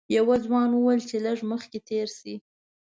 یوه ځوان وویل چې لږ مخکې تېر شئ.